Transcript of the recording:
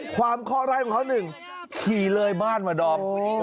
เคาะร้ายของเขาหนึ่งขี่เลยบ้านมาดอม